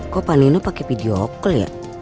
kok panino pakai video call ya